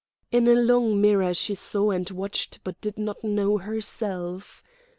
In a long mirror she saw and watched but did not know herself.